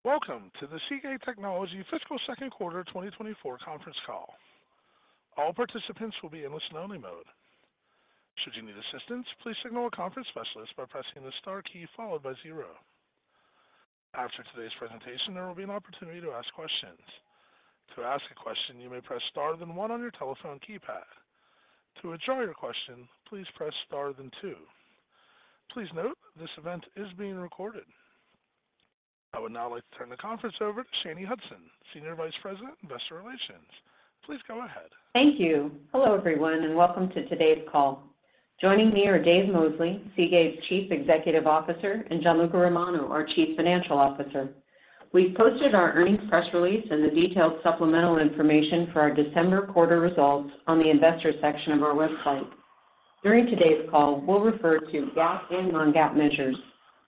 Welcome to the Seagate Technology Fiscal second quarter 2024 conference call. All participants will be in listen-only mode. Should you need assistance, please signal a conference specialist by pressing the star key followed by zero. After today's presentation, there will be an opportunity to ask questions. To ask a question, you may press star, then one on your telephone keypad. To withdraw your question, please press star, then two. Please note, this event is being recorded. I would now like to turn the conference over to Shanye Hudson, Senior Vice President, Investor Relations. Please go ahead. Thank you. Hello, everyone, and welcome to today's call. Joining me are Dave Mosley, Seagate's Chief Executive Officer, and Gianluca Romano, our Chief Financial Officer. We've posted our earnings press release and the detailed supplemental information for our December quarter results on the investor section of our website. During today's call, we'll refer to GAAP and non-GAAP measures.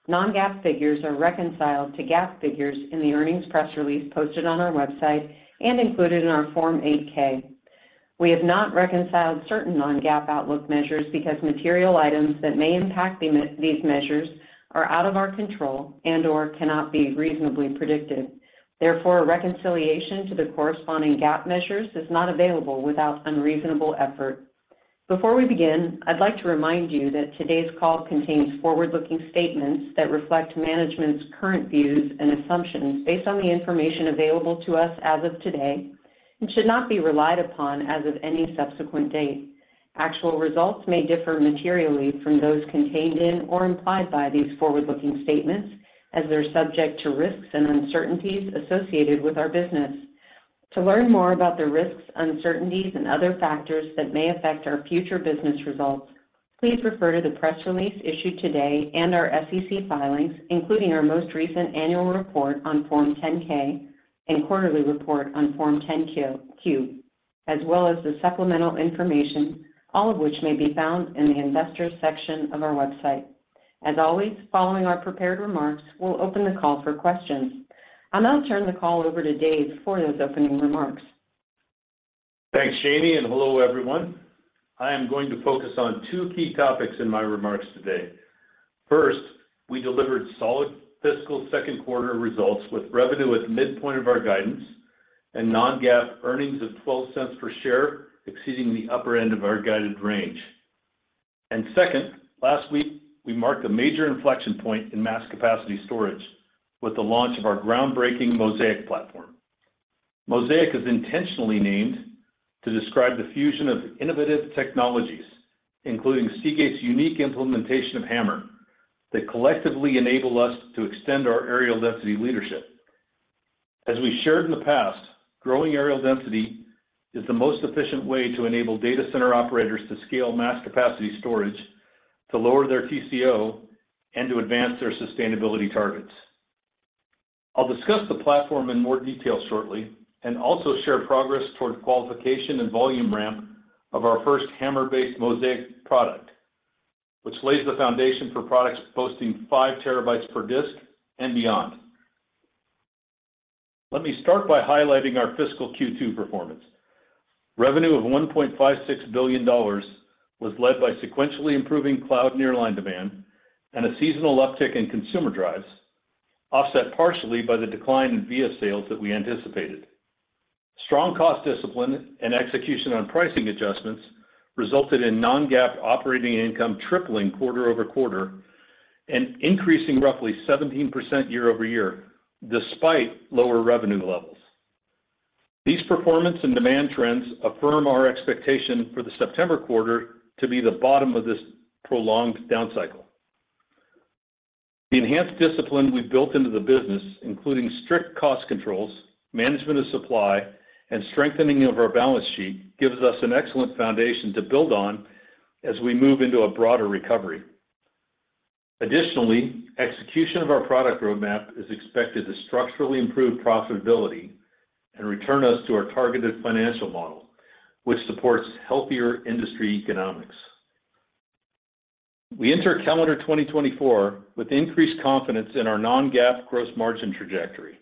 Non-GAAP figures are reconciled to GAAP figures in the earnings press release posted on our website and included in our Form 8-K. We have not reconciled certain non-GAAP outlook measures because material items that may impact these measures are out of our control and/or cannot be reasonably predicted. Therefore, a reconciliation to the corresponding GAAP measures is not available without unreasonable effort. Before we begin, I'd like to remind you that today's call contains forward-looking statements that reflect management's current views and assumptions based on the information available to us as of today, and should not be relied upon as of any subsequent date. Actual results may differ materially from those contained in or implied by these forward-looking statements as they're subject to risks and uncertainties associated with our business. To learn more about the risks, uncertainties, and other factors that may affect our future business results, please refer to the press release issued today and our SEC filings, including our most recent annual report on Form 10-K and quarterly report on Form 10-Q, as well as the supplemental information, all of which may be found in the Investors section of our website. As always, following our prepared remarks, we'll open the call for questions. I'll now turn the call over to Dave for those opening remarks. Thanks, Shanny, and hello, everyone. I am going to focus on two key topics in my remarks today. First, we delivered solid fiscal second quarter results with revenue at the midpoint of our guidance and non-GAAP earnings of $0.12 per share, exceeding the upper end of our guided range. And second, last week, we marked a major inflection point in mass capacity storage with the launch of our groundbreaking Mozaic platform. Mozaic is intentionally named to describe the fusion of innovative technologies, including Seagate's unique implementation of HAMR, that collectively enable us to extend our areal density leadership. As we shared in the past, growing areal density is the most efficient way to enable data center operators to scale mass capacity storage, to lower their TCO, and to advance their sustainability targets. I'll discuss the platform in more detail shortly and also share progress toward qualification and volume ramp of our first HAMR-based Mozaic product, which lays the foundation for products boasting 5 TB per disk and beyond. Let me start by highlighting our fiscal Q2 performance. Revenue of $1.56 billion was led by sequentially improving cloud nearline demand and a seasonal uptick in consumer drives, offset partially by the decline in VIA sales that we anticipated. Strong cost discipline and execution on pricing adjustments resulted in non-GAAP operating income tripling quarter-over-quarter and increasing roughly 17% year-over-year, despite lower revenue levels. These performance and demand trends affirm our expectation for the September quarter to be the bottom of this prolonged down cycle. The enhanced discipline we've built into the business, including strict cost controls, management of supply, and strengthening of our balance sheet, gives us an excellent foundation to build on as we move into a broader recovery. Additionally, execution of our product roadmap is expected to structurally improve profitability and return us to our targeted financial model, which supports healthier industry economics. We enter calendar 2024 with increased confidence in our non-GAAP gross margin trajectory,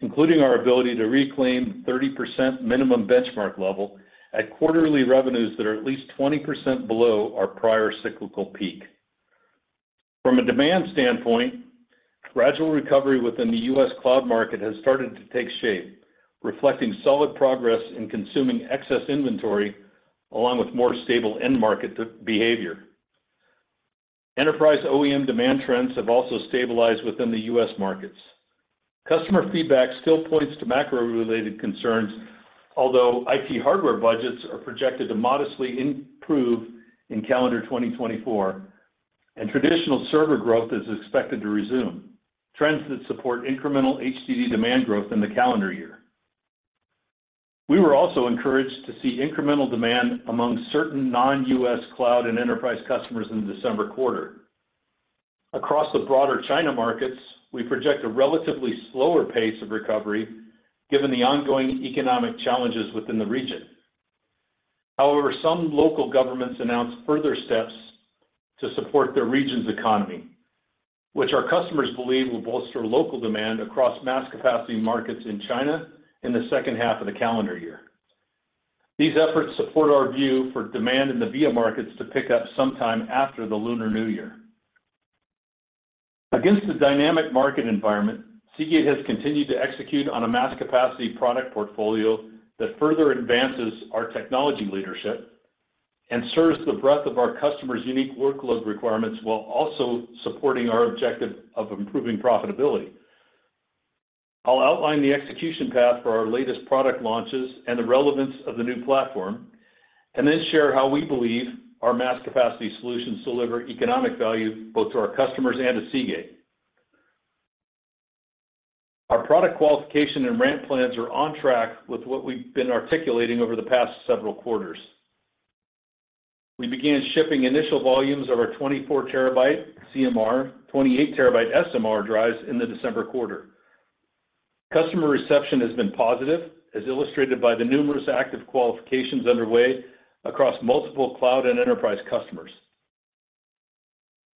including our ability to reclaim 30% minimum benchmark level at quarterly revenues that are at least 20% below our prior cyclical peak. From a demand standpoint, gradual recovery within the U.S. cloud market has started to take shape, reflecting solid progress in consuming excess inventory, along with more stable end-market behavior. Enterprise OEM demand trends have also stabilized within the U.S. markets. Customer feedback still points to macro-related concerns, although IT hardware budgets are projected to modestly improve in calendar 2024, and traditional server growth is expected to resume, trends that support incremental HDD demand growth in the calendar year. We were also encouraged to see incremental demand among certain non-US cloud and enterprise customers in the December quarter. Across the broader China markets, we project a relatively slower pace of recovery given the ongoing economic challenges within the region. However, some local governments announced further steps to support their region's economy, which our customers believe will bolster local demand across mass capacity markets in China in the second half of the calendar year. These efforts support our view for demand in the VIA markets to pick up sometime after the Lunar New Year. Against the dynamic market environment, Seagate has continued to execute on a mass capacity product portfolio that further advances our technology leadership and serves the breadth of our customers' unique workload requirements, while also supporting our objective of improving profitability. I'll outline the execution path for our latest product launches and the relevance of the new platform, and then share how we believe our mass capacity solutions deliver economic value both to our customers and to Seagate. Our product qualification and ramp plans are on track with what we've been articulating over the past several quarters. We began shipping initial volumes of our 24 TB CMR, 28 TB SMR drives in the December quarter. Customer reception has been positive, as illustrated by the numerous active qualifications underway across multiple cloud and enterprise customers.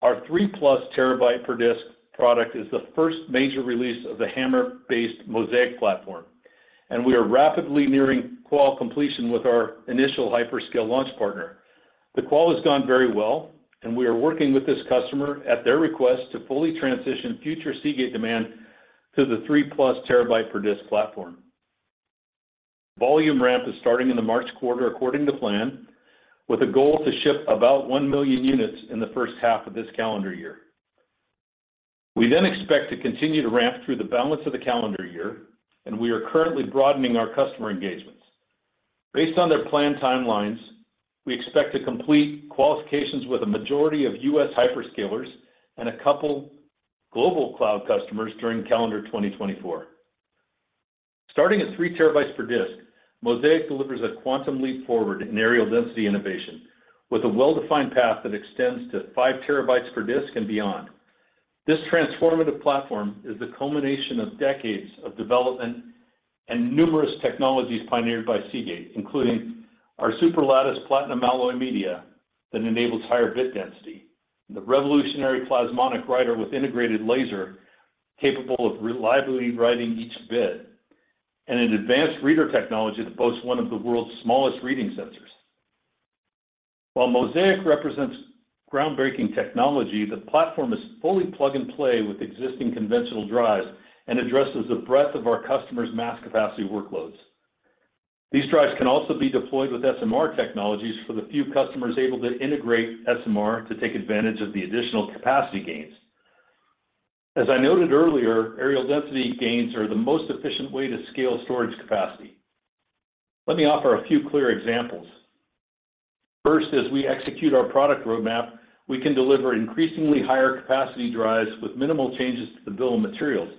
Our 3+ TB per disk product is the first major release of the HAMR-based Mozaic platform, and we are rapidly nearing qual completion with our initial hyperscaler launch partner. The qual has gone very well, and we are working with this customer at their request to fully transition future Seagate demand to the 3+ TB per disk platform. Volume ramp is starting in the March quarter according to plan, with a goal to ship about 1 million units in the first half of this calendar year. We then expect to continue to ramp through the balance of the calendar year, and we are currently broadening our customer engagements. Based on their planned timelines, we expect to complete qualifications with a majority of U.S. hyperscalers and a couple global cloud customers during calendar 2024. Starting at 3 TB per disk, Mozaic delivers a quantum leap forward in areal density innovation, with a well-defined path that extends to 5 TB per disk and beyond. This transformative platform is the culmination of decades of development and numerous technologies pioneered by Seagate, including our superlattice platinum-alloy media that enables higher bit density, the revolutionary plasmonic writer with integrated laser, capable of reliably writing each bit, and an advanced reader technology that boasts one of the world's smallest reading sensors. While Mozaic represents groundbreaking technology, the platform is fully plug-and-play with existing conventional drives and addresses the breadth of our customers' mass capacity workloads. These drives can also be deployed with SMR technologies for the few customers able to integrate SMR to take advantage of the additional capacity gains. As I noted earlier, areal density gains are the most efficient way to scale storage capacity. Let me offer a few clear examples. First, as we execute our product roadmap, we can deliver increasingly higher capacity drives with minimal changes to the bill of materials.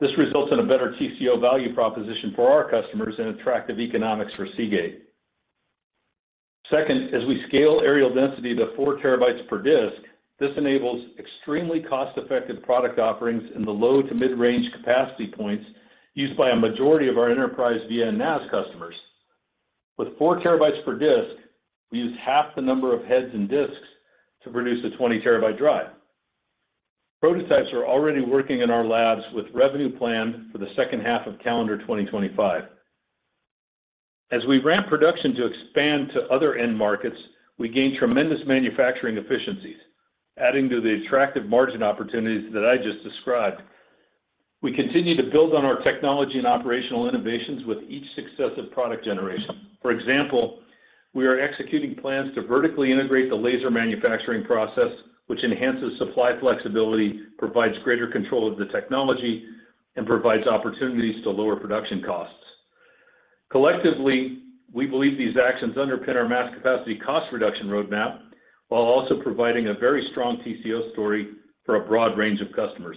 This results in a better TCO value proposition for our customers and attractive economics for Seagate. Second, as we scale areal density to 4 TB per disk, this enables extremely cost-effective product offerings in the low to mid-range capacity points used by a majority of our enterprise VIA NAS customers. With 4 TB per disk, we use half the number of heads and disks to produce a 20 TB drive. Prototypes are already working in our labs with revenue planned for the second half of calendar 2025. As we ramp production to expand to other end markets, we gain tremendous manufacturing efficiencies, adding to the attractive margin opportunities that I just described. We continue to build on our technology and operational innovations with each successive product generation. For example, we are executing plans to vertically integrate the laser manufacturing process, which enhances supply flexibility, provides greater control of the technology, and provides opportunities to lower production costs. Collectively, we believe these actions underpin our mass capacity cost reduction roadmap, while also providing a very strong TCO story for a broad range of customers.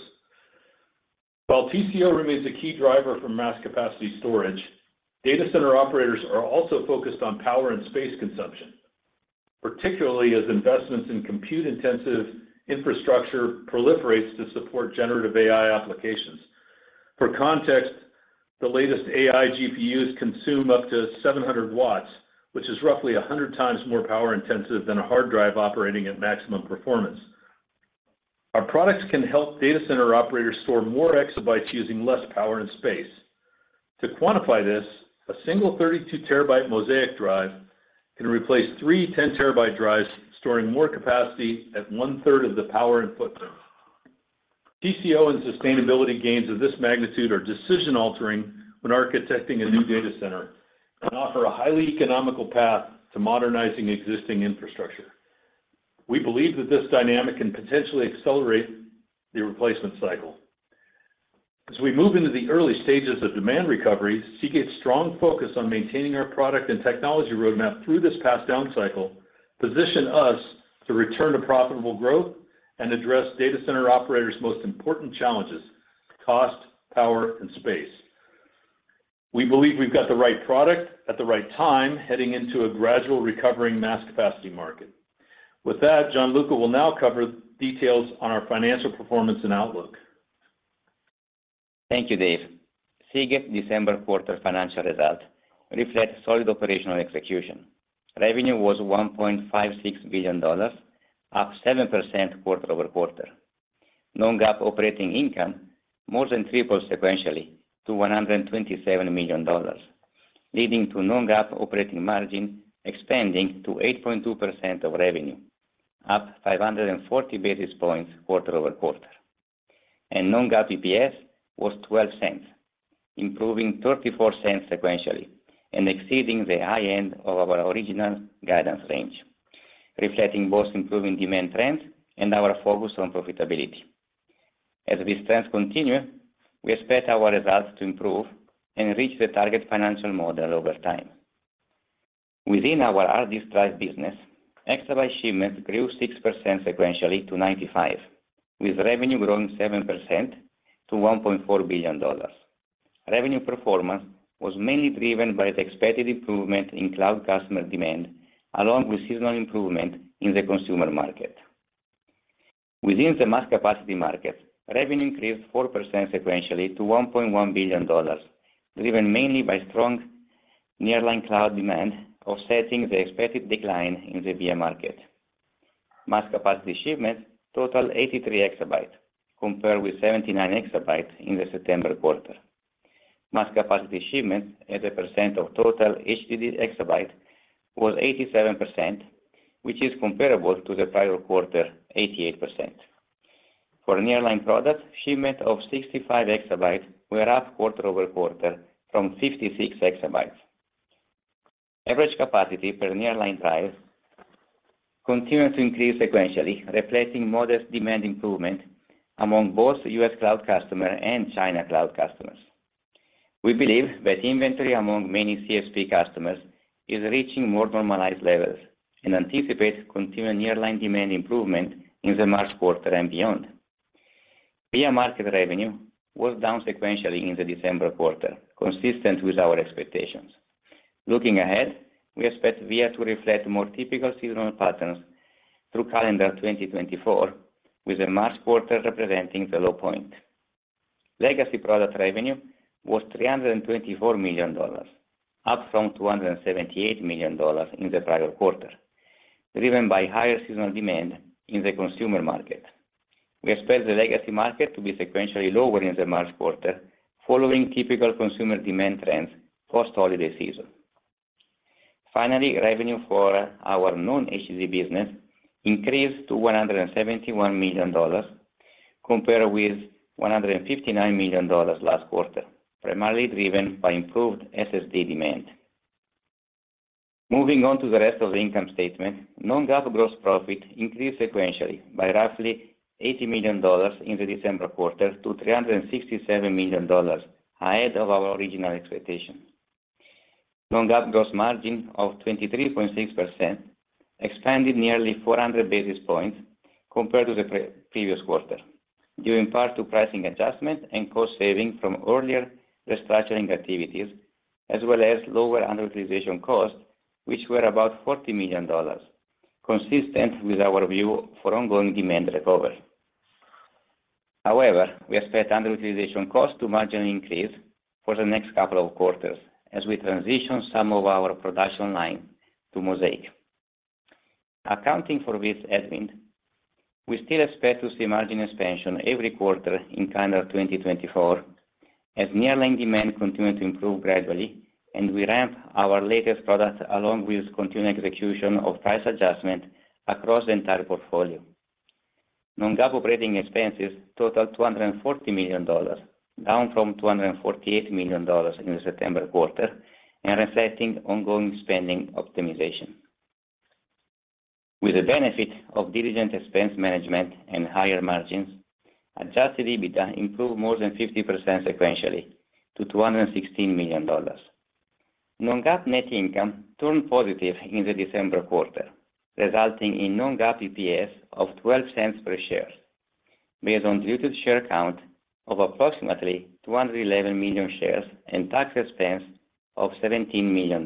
While TCO remains a key driver for mass capacity storage, data center operators are also focused on power and space consumption, particularly as investments in compute-intensive infrastructure proliferates to support generative AI applications. For context, the latest AI GPUs consume up to 700 W, which is roughly 100x more power-intensive than a hard drive operating at maximum performance. Our products can help data center operators store more exabytes using less power and space. To quantify this, a single 32-TB Mozaic drive can replace three 10-TB drives, storing more capacity at 1/3 of the power and footprint. TCO and sustainability gains of this magnitude are decision-altering when architecting a new data center and offer a highly economical path to modernizing existing infrastructure. We believe that this dynamic can potentially accelerate the replacement cycle. As we move into the early stages of demand recovery, Seagate's strong focus on maintaining our product and technology roadmap through this past down cycle, position us to return to profitable growth and address data center operators' most important challenges: cost, power, and space. We believe we've got the right product at the right time, heading into a gradual recovering mass capacity market. With that, Gianluca will now cover the details on our financial performance and outlook. Thank you, Dave. Seagate December quarter financial results reflect solid operational execution. Revenue was $1.56 billion, up 7% quarter over quarter. Non-GAAP operating income more than tripled sequentially to $127 million, leading to non-GAAP operating margin expanding to 8.2% of revenue, up 540 basis points quarter over quarter. Non-GAAP EPS was $0.12, improving $0.34 sequentially and exceeding the high end of our original guidance range, reflecting both improving demand trends and our focus on profitability. As these trends continue, we expect our results to improve and reach the target financial model over time. Within our hard disk drive business, exabyte shipments grew 6% sequentially to 95, with revenue growing 7% to $1.4 billion. Revenue performance was mainly driven by the expected improvement in cloud customer demand, along with seasonal improvement in the consumer market. Within the Mass Capacity market, revenue increased 4% sequentially to $1.1 billion, driven mainly by strong nearline cloud demand, offsetting the expected decline in the VIA market. Mass Capacity shipments totaled 83 EB compared with 79 EB in the September quarter. Mass Capacity shipments as a percent of total HDD exabytes was 87%, which is comparable to the prior quarter, 88%. For nearline products, shipments of 65 EB were up quarter-over-quarter from 56 EB. Average capacity per nearline drive continued to increase sequentially, reflecting modest demand improvement among both U.S. cloud customer and China cloud customers. We believe that inventory among many CSP customers is reaching more normalized levels and anticipate continued nearline demand improvement in the March quarter and beyond. VIA market revenue was down sequentially in the December quarter, consistent with our expectations. Looking ahead, we expect VIA to reflect more typical seasonal patterns through calendar 2024, with the March quarter representing the low point. Legacy product revenue was $324 million, up from $278 million in the prior quarter, driven by higher seasonal demand in the consumer market. We expect the legacy market to be sequentially lower in the March quarter, following typical consumer demand trends post-holiday season. Finally, revenue for our non-HDD business increased to $171 million, compared with $159 million last quarter, primarily driven by improved SSD demand. Moving on to the rest of the income statement, non-GAAP gross profit increased sequentially by roughly $80 million in the December quarter to $367 million, ahead of our original expectations. Non-GAAP gross margin of 23.6% expanded nearly 400 basis points compared to the pre-previous quarter, due in part to pricing adjustments and cost savings from earlier restructuring activities, as well as lower underutilization costs, which were about $40 million, consistent with our view for ongoing demand recovery. However, we expect underutilization costs to marginally increase for the next couple of quarters as we transition some of our production line to Mozaic. Accounting for this headwind, we still expect to see margin expansion every quarter in calendar 2024, as nearline demand continues to improve gradually and we ramp our latest product, along with continued execution of price adjustment across the entire portfolio. Non-GAAP operating expenses totaled $240 million, down from $248 million in the September quarter and reflecting ongoing spending optimization. With the benefit of diligent expense management and higher margins, adjusted EBITDA improved more than 50% sequentially to $216 million. Non-GAAP net income turned positive in the December quarter, resulting in non-GAAP EPS of $0.12 per share, based on diluted share count of approximately 211 million shares and tax expense of $17 million.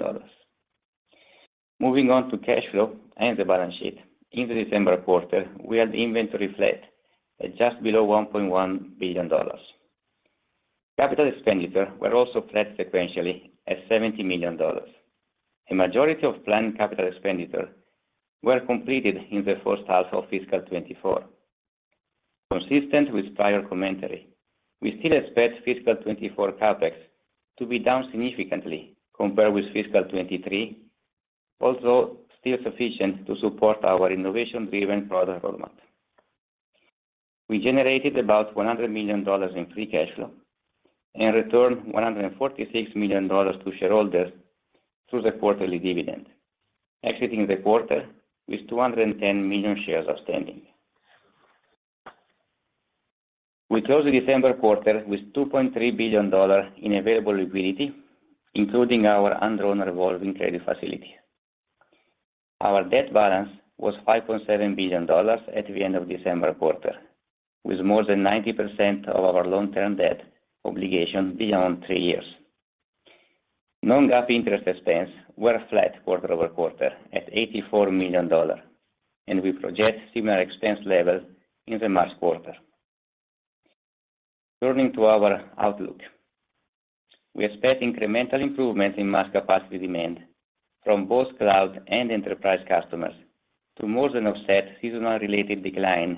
Moving on to cash flow and the balance sheet. In the December quarter, we had inventory flat at just below $1.1 billion. Capital expenditure were also flat sequentially at $70 million. A majority of planned capital expenditure were completed in the first half of fiscal 2024. Consistent with prior commentary, we still expect fiscal 2024 CapEx to be down significantly compared with fiscal 2023, also still sufficient to support our innovation-driven product roadmap. We generated about $100 million in free cash flow and returned $146 million to shareholders through the quarterly dividend, exiting the quarter with 210 million shares outstanding. We closed the December quarter with $2.3 billion in available liquidity, including our undrawn revolving credit facility. Our debt balance was $5.7 billion at the end of December quarter, with more than 90% of our long-term debt obligations beyond three years. Non-GAAP interest expense were flat quarter-over-quarter at $84 million, and we project similar expense levels in the March quarter. Turning to our outlook. We expect incremental improvement in mass capacity demand from both cloud and enterprise customers to more than offset seasonal-related decline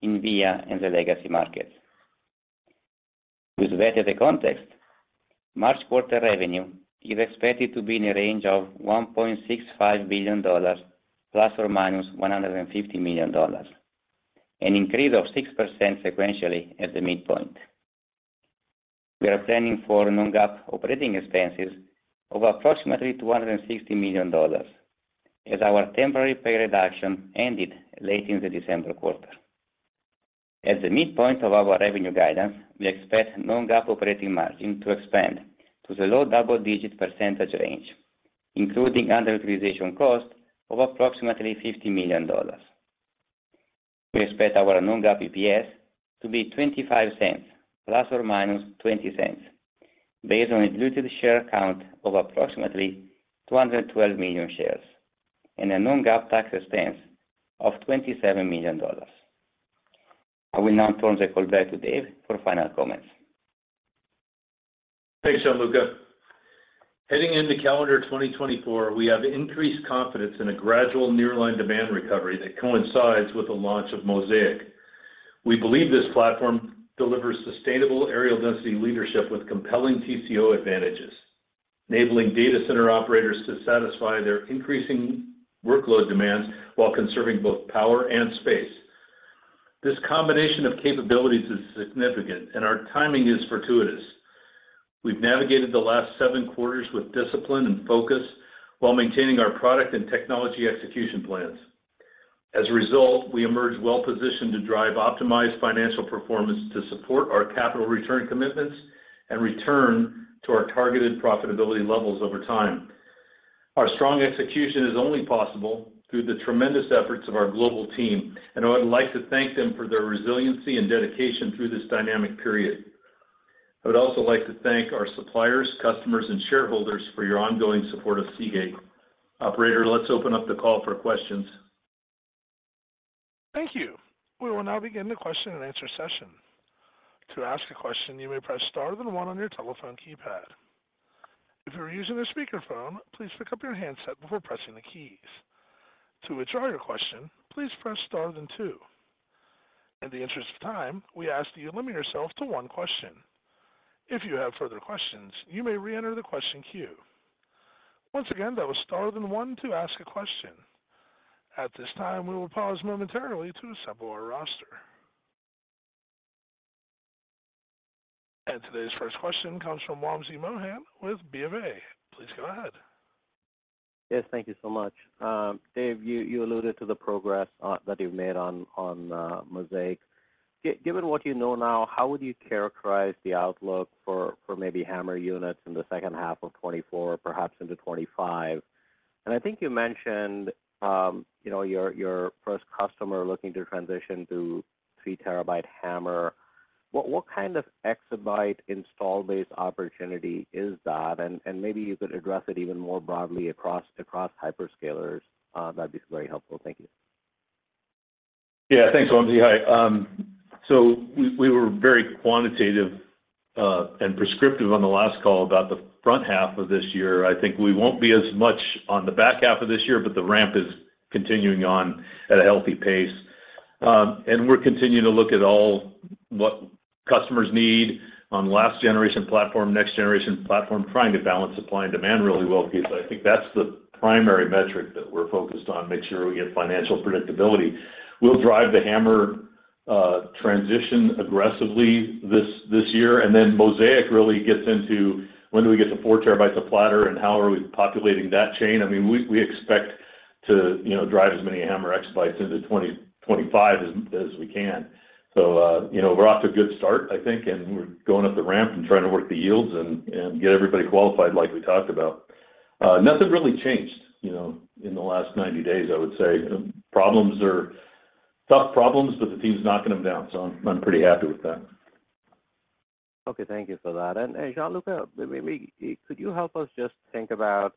in VIA and the legacy markets. With that as the context, March quarter revenue is expected to be in a range of $1.65 billion ± $150 million, an increase of 6% sequentially at the midpoint. We are planning for non-GAAP operating expenses of approximately $260 million, as our temporary pay reduction ended late in the December quarter. At the midpoint of our revenue guidance, we expect non-GAAP operating margin to expand to the low double-digit percentage range, including underutilization cost of approximately $50 million. We expect our non-GAAP EPS to be $0.25, ± $0.20, based on a diluted share count of approximately 212 million shares and a non-GAAP tax expense of $27 million. I will now turn the call back to Dave for final comments. Thanks, Gianluca. Heading into calendar 2024, we have increased confidence in a gradual nearline demand recovery that coincides with the launch of Mozaic. We believe this platform delivers sustainable areal density leadership with compelling TCO advantages, enabling data center operators to satisfy their increasing workload demands while conserving both power and space. This combination of capabilities is significant, and our timing is fortuitous. We've navigated the last seven quarters with discipline and focus while maintaining our product and technology execution plans. As a result, we emerge well-positioned to drive optimized financial performance to support our capital return commitments and return to our targeted profitability levels over time. Our strong execution is only possible through the tremendous efforts of our global team, and I would like to thank them for their resiliency and dedication through this dynamic period. I would also like to thank our suppliers, customers, and shareholders for your ongoing support of Seagate. Operator, let's open up the call for questions. Thank you. We will now begin the question-and-answer session. To ask a question, you may press star then one on your telephone keypad. If you are using a speakerphone, please pick up your handset before pressing the keys. To withdraw your question, please press star then two. In the interest of time, we ask that you limit yourself to one question. If you have further questions, you may reenter the question queue. Once again, that was star then one to ask a question. At this time, we will pause momentarily to assemble our roster. Today's first question comes from Wamsi Mohan with BofA. Please go ahead. Yes, thank you so much. Dave, you alluded to the progress on that you've made on Mozaic. Given what you know now, how would you characterize the outlook for maybe HAMR units in the second half of 2024, perhaps into 2025? And I think you mentioned, you know, your first customer looking to transition to 3-TB HAMR. What kind of exabyte install base opportunity is that? And maybe you could address it even more broadly across hyperscalers, that'd be very helpful. Thank you. Yeah, thanks, Wamsi. Hi. So we, we were very quantitative and prescriptive on the last call about the front half of this year. I think we won't be as much on the back half of this year, but the ramp is continuing on at a healthy pace. We're continuing to look at all what customers need on last generation platform, next generation platform, trying to balance supply and demand really well, because I think that's the primary metric that we're focused on, make sure we get financial predictability. We'll drive the HAMR transition aggressively this year, and then Mozaic really gets into when do we get to 4 TB a platter and how are we populating that chain? I mean, we expect to, you know, drive as many HAMR exabytes into 2025 as we can. So, you know, we're off to a good start, I think, and we're going up the ramp and trying to work the yields and get everybody qualified like we talked about. Nothing really changed, you know, in the last 90 days, I would say. Problems are tough problems, but the team's knocking them down, so I'm pretty happy with that. Okay, thank you for that. Hey, Gianluca, maybe could you help us just think about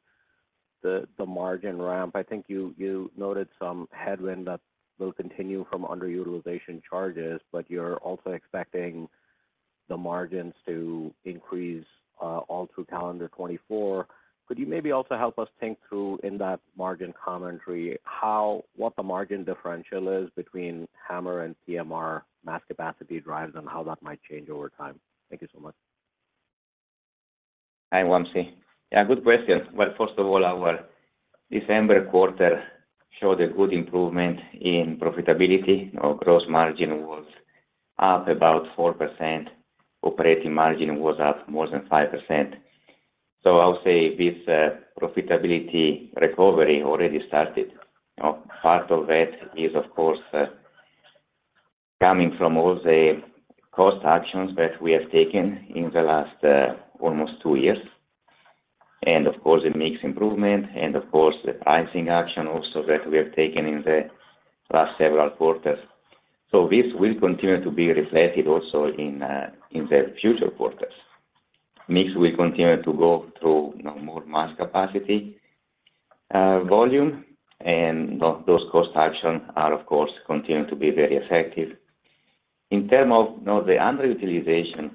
the margin ramp? I think you noted some headwind that will continue from underutilization charges, but you're also expecting the margins to increase all through calendar 2024. Could you maybe also help us think through, in that margin commentary, how what the margin differential is between HAMR and CMR mass capacity drives and how that might change over time? Thank you so much. Hi, Wamsi. Yeah, good question. Well, first of all, our December quarter showed a good improvement in profitability. Our gross margin was up about 4%, operating margin was up more than 5%. So I would say this profitability recovery already started. You know, part of it is, of course, coming from all the cost actions that we have taken in the last almost two years, and of course, the mix improvement, and of course, the pricing action also that we have taken in the last several quarters. So this will continue to be reflected also in in the future quarters. Mix will continue to go through, you know, more mass capacity volume, and those cost actions are, of course, continuing to be very effective. In terms of, you know, the underutilization,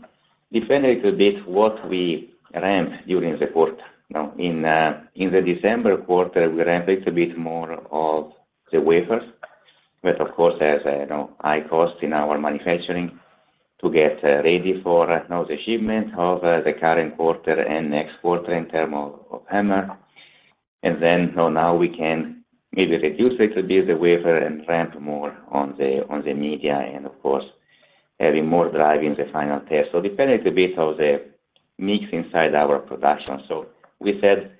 depends a little bit what we ramp during the quarter. Now, in the December quarter, we ramped a little bit more of the wafers, but of course, as I know, high cost in our manufacturing to get ready for right now the shipment of the current quarter and next quarter in terms of HAMR. And then, so now we can maybe reduce little bit the wafer and ramp more on the media, and of course, having more drive in the final test. So it depends a little bit on the mix inside our production. So we said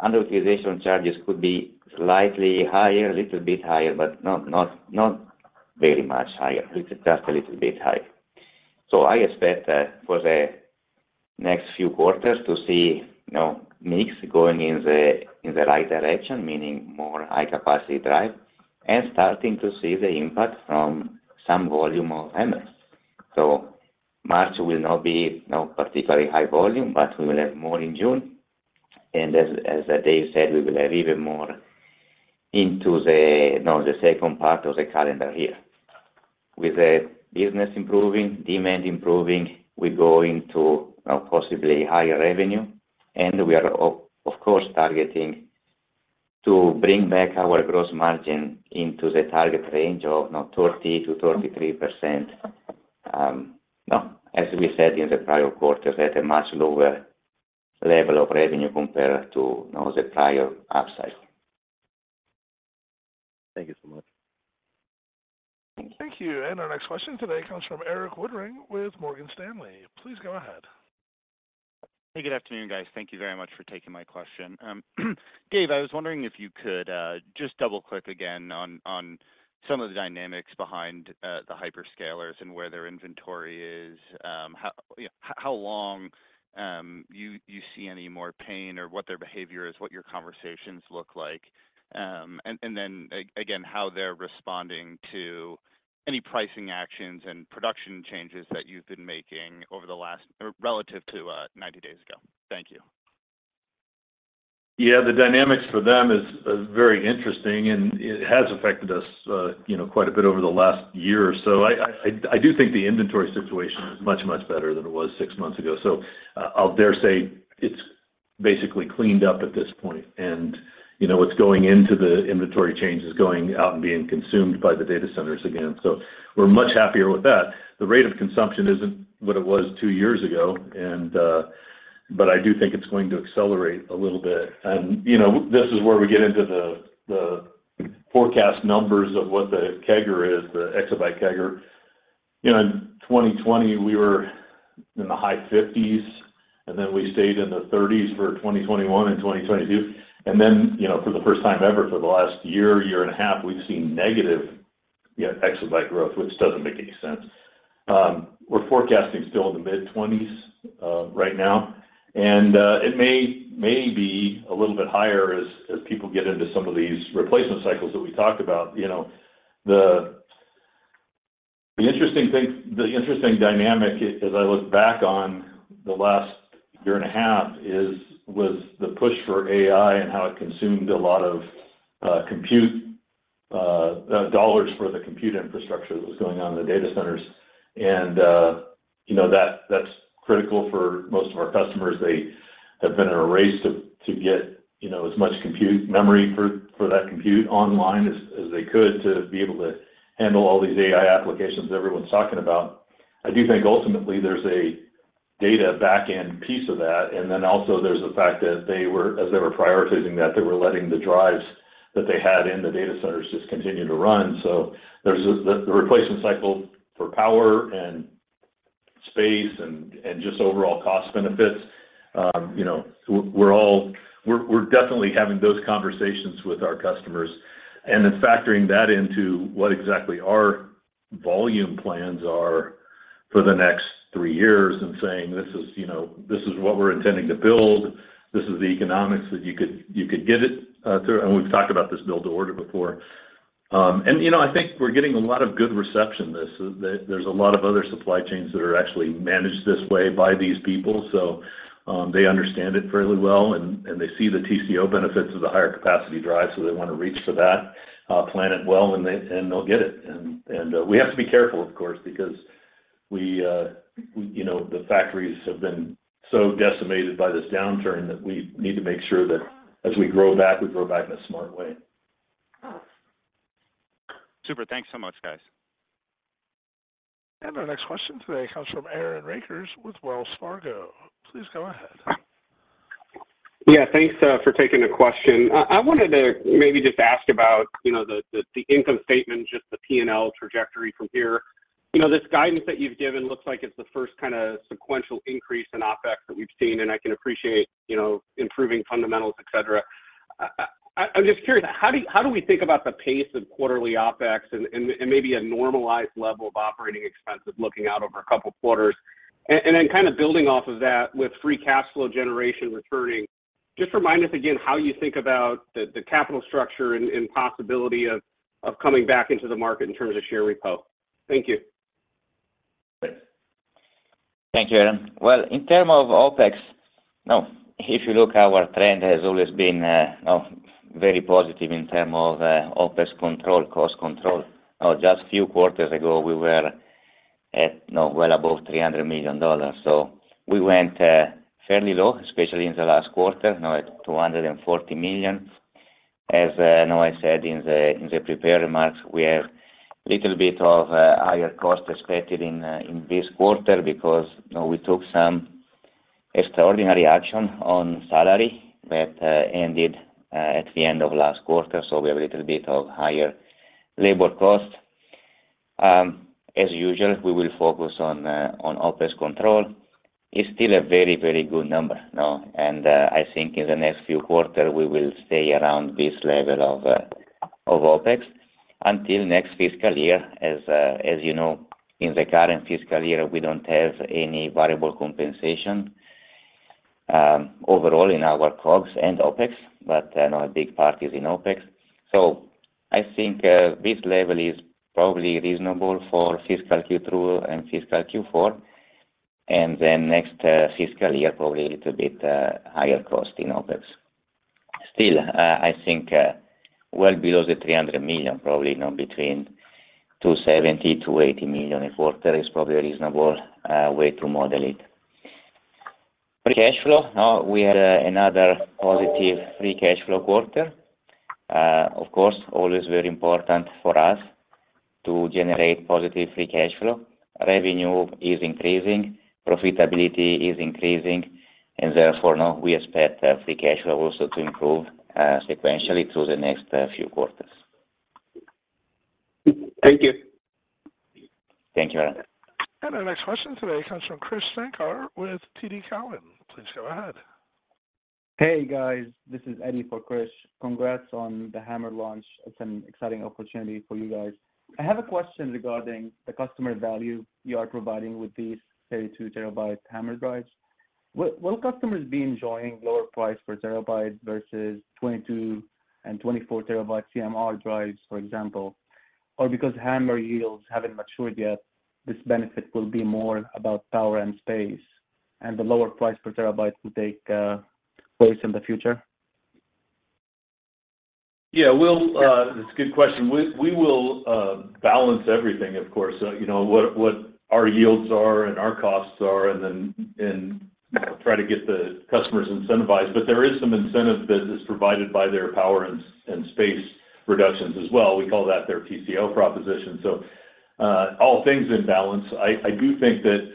underutilization charges could be slightly higher, a little bit higher, but not very much higher, just a little bit higher. So I expect for the next few quarters to see, you know, mix going in the right direction, meaning more high-capacity drive and starting to see the impact from some volume of HAMR. So March will not be, you know, particularly high volume, but we will have more in June, and as Dave said, we will have even more into the, you know, the second part of the calendar year. With the business improving, demand improving, we go into possibly higher revenue, and we are of course targeting to bring back our gross margin into the target range of, you know, 30%-33%. Now, as we said in the prior quarters, at a much lower level of revenue compared to, you know, the prior upcycle. Thank you so much. Thank you. And our next question today comes from Erik Woodring with Morgan Stanley. Please go ahead. Hey, good afternoon, guys. Thank you very much for taking my question. Dave, I was wondering if you could just double-click again on some of the dynamics behind the hyperscalers and where their inventory is. How, you know, how long you see any more pain or what their behavior is, what your conversations look like? And then, again, how they're responding to any pricing actions and production changes that you've been making over the last, or relative to, 90 days ago. Thank you. Yeah, the dynamics for them is very interesting, and it has affected us, you know, quite a bit over the last year or so. I do think the inventory situation is much, much better than it was six months ago. So I'll dare say it's basically cleaned up at this point, and, you know, what's going into the inventory changes going out and being consumed by the data centers again. So we're much happier with that. The rate of consumption isn't what it was two years ago. But I do think it's going to accelerate a little bit. And, you know, this is where we get into the forecast numbers of what the CAGR is, the exabyte CAGR. You know, in 2020, we were in the high 50s, and then we stayed in the 30s for 2021 and 2022. Then, you know, for the first time ever, for the last year and a half, we've seen negative, you know, exabyte growth, which doesn't make any sense. We're forecasting still in the mid-twenties right now, and it may be a little bit higher as people get into some of these replacement cycles that we talked about. You know, the interesting dynamic as I look back on the last year and a half was the push for AI and how it consumed a lot of compute dollars for the compute infrastructure that was going on in the data centers. You know, that's critical for most of our customers. They have been in a race to get, you know, as much compute memory for that compute online as they could to be able to handle all these AI applications everyone's talking about. I do think ultimately there's a data back-end piece of that, and then also there's the fact that they were, as they were prioritizing that, they were letting the drives that they had in the data centers just continue to run. So there's the replacement cycle for power and space and just overall cost benefits. You know, we're definitely having those conversations with our customers and then factoring that into what exactly our volume plans are for the next three years and saying: This is, you know, this is what we're intending to build, this is the economics that you could get it through. And we've talked about this build-to-order before. You know, I think we're getting a lot of good reception. There's a lot of other supply chains that are actually managed this way by these people, so they understand it fairly well, and they see the TCO benefits of the higher capacity drive, so they want to reach for that, plan it well, and they'll get it. We have to be careful, of course, because we, you know, the factories have been so decimated by this downturn that we need to make sure that as we grow back, we grow back in a smart way. Super. Thanks so much, guys. Our next question today comes from Aaron Rakers with Wells Fargo. Please go ahead. Yeah, thanks for taking the question. I wanted to maybe just ask about, you know, the income statement, just the P&L trajectory from here. You know, this guidance that you've given looks like it's the first kind of sequential increase in OpEx that we've seen, and I can appreciate, you know, improving fundamentals, et cetera. I'm just curious, how do we think about the pace of quarterly OpEx and maybe a normalized level of operating expenses looking out over a couple quarters? And then kind of building off of that, with free cash flow generation returning-... Just remind us again how you think about the capital structure and possibility of coming back into the market in terms of share repo? Thank you. Thank you, Aaron. Well, in terms of OpEx, now, if you look, our trend has always been, you know, very positive in terms of OpEx control, cost control. Just few quarters ago, we were at, you know, well above $300 million. So we went fairly low, especially in the last quarter, now at $240 million. As now I said in the prepared remarks, we have little bit of higher cost expected in this quarter because, you know, we took some extraordinary action on salary that ended at the end of last quarter, so we have a little bit of higher labor cost. As usual, we will focus on OpEx control. It's still a very, very good number now, and, I think in the next few quarter, we will stay around this level of, of OpEx until next fiscal year. As, as you know, in the current fiscal year, we don't have any variable compensation, overall in our COGS and OpEx, but, now a big part is in OpEx. So I think, this level is probably reasonable for fiscal Q2 and fiscal Q4, and then next, fiscal year, probably a little bit, higher cost in OpEx. Still, I think, well below the $300 million, probably, you know, between $270 million-$280 million a quarter is probably a reasonable, way to model it. Free cash flow, now we had another positive free cash flow quarter. Of course, always very important for us to generate positive free cash flow. Revenue is increasing, profitability is increasing, and therefore, now we expect free cash flow also to improve sequentially through the next few quarters. Thank you. Thank you, Aaron. Our next question today comes from Krish Sankar with TD Cowen. Please go ahead. Hey, guys. This is Eddie for Krish. Congrats on the HAMR launch. It's an exciting opportunity for you guys. I have a question regarding the customer value you are providing with these 32-TB HAMR drives. Will, will customers be enjoying lower price per terabytes versus 22 TB and 24-TB CMR drives, for example? Or because HAMR yields haven't matured yet, this benefit will be more about power and space, and the lower price per terabytes will take place in the future? Yeah, we'll... That's a good question. We will balance everything, of course. You know, what our yields are and our costs are, and then try to get the customers incentivized. But there is some incentive that is provided by their power and space reductions as well. We call that their TCO proposition. So, all things in balance, I do think that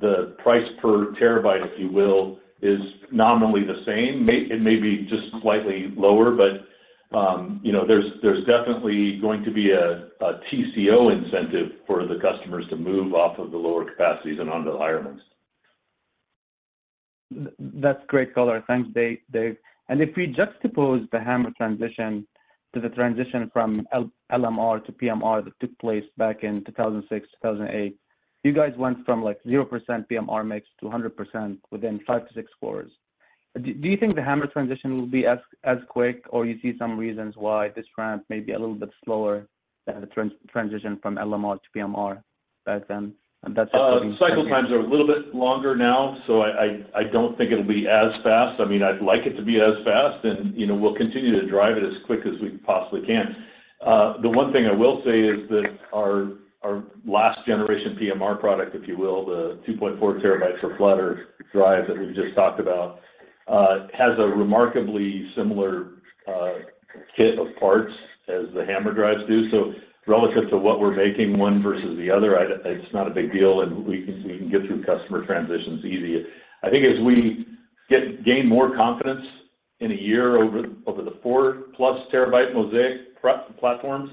the price per TB, if you will, is nominally the same. It may be just slightly lower, but, you know, there's definitely going to be a TCO incentive for the customers to move off of the lower capacities and onto the higher ones. That's great color. Thanks, Dave, Dave. And if we juxtapose the HAMR transition to the transition from LMR to PMR that took place back in 2006, 2008, you guys went from, like, 0% PMR mix to 100% within 5-6 quarters. Do you think the HAMR transition will be as quick, or you see some reasons why this ramp may be a little bit slower than the transition from LMR to PMR back then? And that's just- Cycle times are a little bit longer now, so I don't think it'll be as fast. I mean, I'd like it to be as fast, and, you know, we'll continue to drive it as quick as we possibly can. The one thing I will say is that our last generation PMR product, if you will, the 2.4 TB per platter drive that we just talked about, has a remarkably similar kit of parts as the HAMR drives do. So relative to what we're making, one versus the other, it's not a big deal, and we can get through customer transitions easy. I think as we gain more confidence in a year over the 4+ TB Mozaic platforms,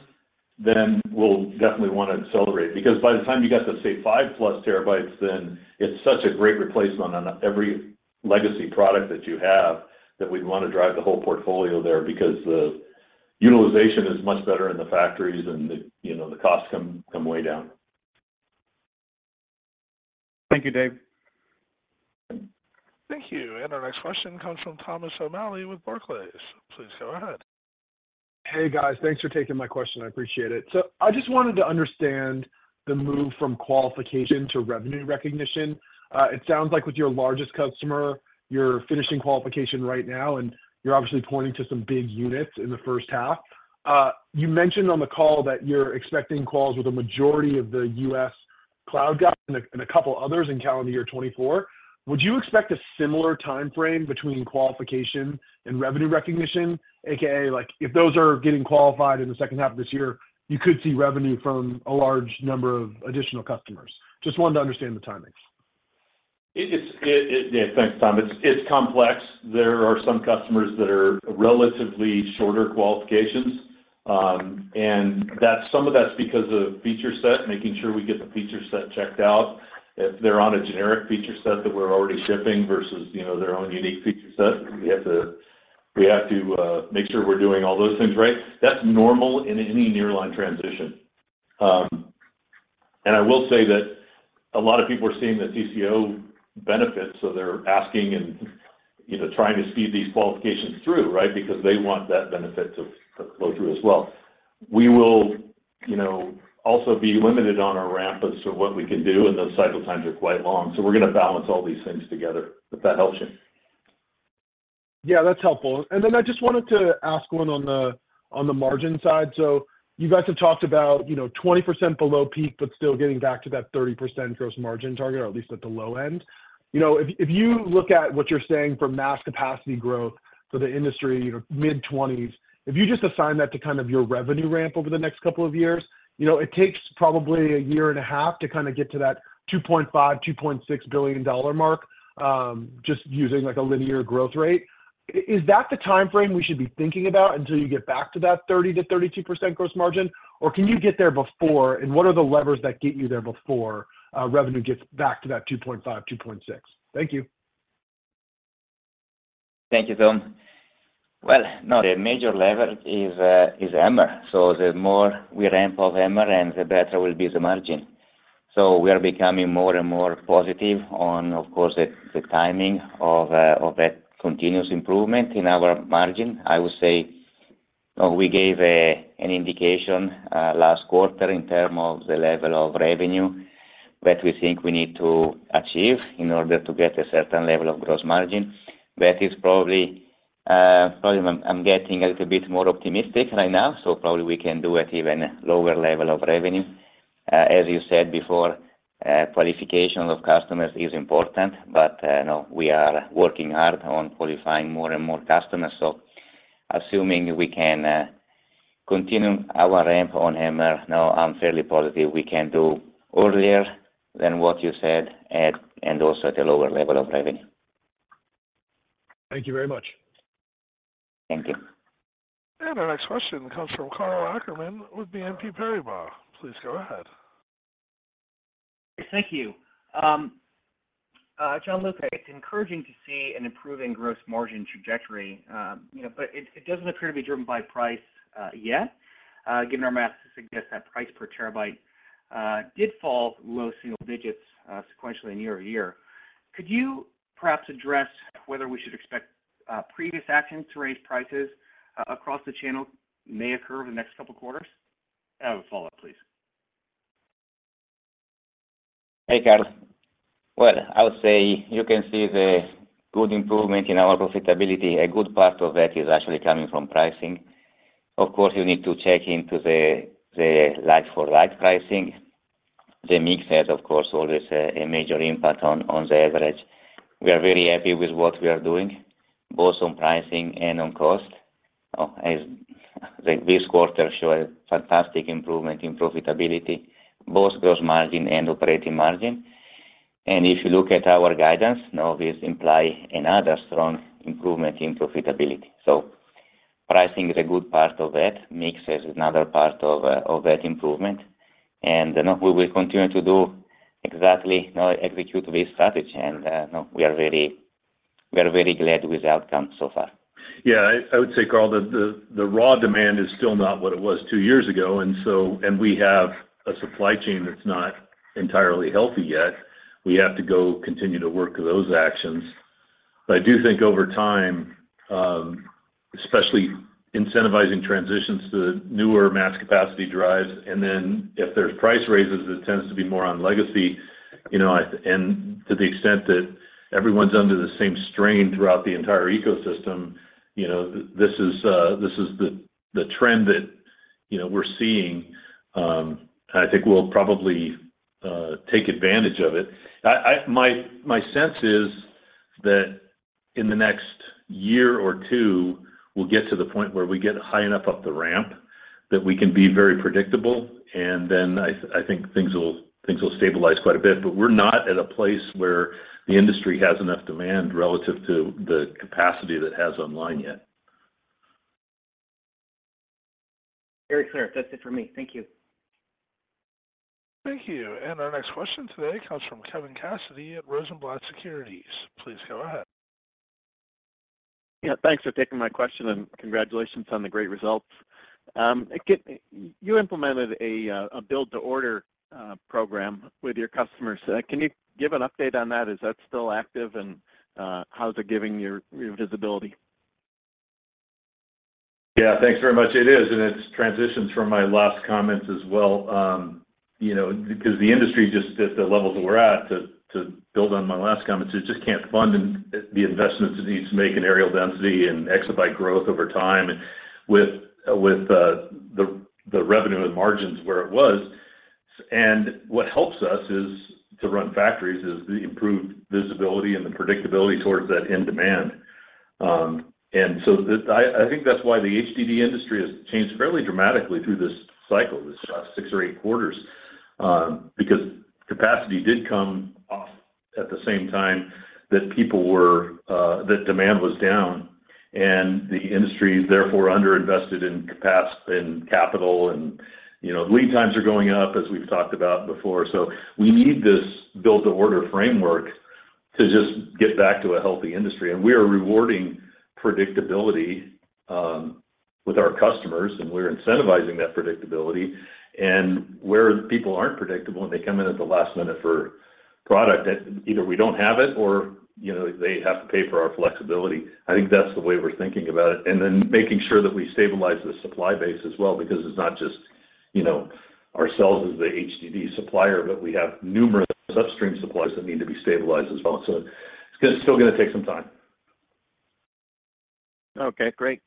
then we'll definitely want to accelerate. Because by the time you get to, say, 5+ TB, then it's such a great replacement on every legacy product that you have, that we'd want to drive the whole portfolio there, because the utilization is much better in the factories and the, you know, the costs come way down. Thank you, Dave. Thank you. Our next question comes from Thomas O'Malley with Barclays. Please go ahead. Hey, guys. Thanks for taking my question. I appreciate it. So I just wanted to understand the move from qualification to revenue recognition. It sounds like with your largest customer, you're finishing qualification right now, and you're obviously pointing to some big units in the first half. You mentioned on the call that you're expecting quals with a majority of the US cloud guys and a, and a couple others in calendar year 2024. Would you expect a similar time frame between qualification and revenue recognition? AKA, like, if those are getting qualified in the second half of this year, you could see revenue from a large number of additional customers. Just wanted to understand the timings. Yeah. Thanks, Tom. It's complex. There are some customers that are relatively shorter qualifications, and that's some of that's because of feature set, making sure we get the feature set checked out. If they're on a generic feature set that we're already shipping versus, you know, their own unique feature set, we have to make sure we're doing all those things right. That's normal in any nearline transition. And I will say that a lot of people are seeing the TCO benefits, so they're asking and, you know, trying to speed these qualifications through, right? Because they want that benefit to flow through as well. We will, you know, also be limited on our ramp as to what we can do, and those cycle times are quite long. We're going to balance all these things together, if that helps you. Yeah, that's helpful. And then I just wanted to ask one on the, on the margin side. So you guys have talked about, you know, 20% below peak, but still getting back to that 30% gross margin target, or at least at the low end. You know, if, if you look at what you're saying for Mass Capacity growth for the industry, you know, mid-20s, if you just assign that to kind of your revenue ramp over the next couple of years, you know, it takes probably a year and a half to kind of get to that $2.5 billion-$2.6 billion mark, just using, like, a linear growth rate. Is that the time frame we should be thinking about until you get back to that 30%-32% gross margin, or can you get there before? What are the levers that get you there before revenue gets back to that $2.5-$2.6? Thank you. Thank you, Tom. Well, now, the major lever is HAMR. So the more we ramp up HAMR and the better will be the margin. So we are becoming more and more positive on, of course, the timing of that continuous improvement in our margin. I would say, we gave an indication last quarter in terms of the level of revenue that we think we need to achieve in order to get a certain level of gross margin. That is probably, probably I'm getting a little bit more optimistic right now, so probably we can do at even lower level of revenue. As you said before, qualification of customers is important, but you know, we are working hard on qualifying more and more customers. So assuming we can continue our ramp on HAMR, now I'm fairly positive we can do earlier than what you said at, and also at a lower level of revenue. Thank you very much. Thank you. Our next question comes from Karl Ackerman with BNP Paribas. Please go ahead. Thank you. Gianluca, it's encouraging to see an improving gross margin trajectory, you know, but it doesn't appear to be driven by price yet. Given our math to suggest that price per TB did fall low single digits sequentially in year over year. Could you perhaps address whether we should expect previous actions to raise prices across the channel may occur over the next couple of quarters? I have a follow-up, please. Hey, Karl. Well, I would say you can see the good improvement in our profitability. A good part of that is actually coming from pricing. Of course, you need to check into the like-for-like pricing. The mix has, of course, always a major impact on the average. We are very happy with what we are doing, both on pricing and on cost. As like this quarter show a fantastic improvement in profitability, both gross margin and operating margin. And if you look at our guidance, now this imply another strong improvement in profitability. So pricing is a good part of it; mix is another part of that improvement. And, you know, we will continue to do exactly, you know, execute this strategy. And, you know, we are very glad with the outcome so far. Yeah, I would say, Karl, the raw demand is still not what it was two years ago, and so and we have a supply chain that's not entirely healthy yet. We have to go continue to work those actions. But I do think over time, especially incentivizing transitions to the newer mass capacity drives, and then if there's price raises, it tends to be more on legacy, you know, I... And to the extent that everyone's under the same strain throughout the entire ecosystem, you know, this is this is the trend that, you know, we're seeing. And I think we'll probably take advantage of it. My sense is that in the next year or two, we'll get to the point where we get high enough up the ramp, that we can be very predictable, and then I think things will stabilize quite a bit. But we're not at a place where the industry has enough demand relative to the capacity that it has online yet. Very clear. That's it for me. Thank you. Thank you. Our next question today comes from Kevin Cassidy at Rosenblatt Securities. Please go ahead. Yeah, thanks for taking my question, and congratulations on the great results. Again, you implemented a build-to-order program with your customers. Can you give an update on that? Is that still active, and how is it giving your visibility? Yeah, thanks very much. It is, and it's transitions from my last comments as well. You know, because the industry, just at the levels that we're at, to build on my last comments, it just can't fund the investments it needs to make in areal density and exabyte growth over time, and with the revenue and margins where it was. And what helps us to run factories is the improved visibility and the predictability towards that end demand. And so this... I think that's why the HDD industry has changed fairly dramatically through this cycle, this last six or eight quarters, because capacity did come off at the same time that people were that demand was down, and the industry is therefore underinvested in capacity and capital and, you know, lead times are going up, as we've talked about before. So we need this build-to-order framework to just get back to a healthy industry. And we are rewarding predictability with our customers, and we're incentivizing that predictability. And where people aren't predictable, and they come in at the last minute for product, that either we don't have it, or, you know, they have to pay for our flexibility. I think that's the way we're thinking about it, and then making sure that we stabilize the supply base as well, because it's not just, you know, ourselves as the HDD supplier, but we have numerous upstream suppliers that need to be stabilized as well. So it's still gonna take some time. Okay, great.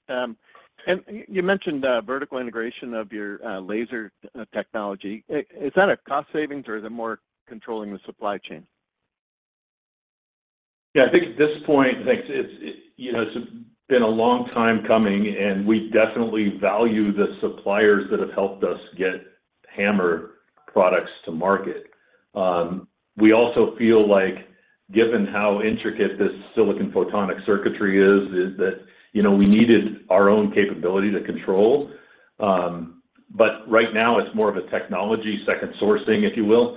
You mentioned vertical integration of your laser technology. Is that a cost savings or is it more controlling the supply chain? Yeah, I think at this point, I think it's you know, it's been a long time coming, and we definitely value the suppliers that have helped us get HAMR products to market. We also feel like given how intricate this silicon photonic circuitry is that you know, we needed our own capability to control. But right now it's more of a technology, second sourcing, if you will.